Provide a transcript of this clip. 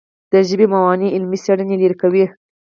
د ژبې موانع علمي څېړنې لیرې کوي.